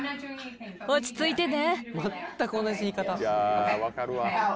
落ち着いてね。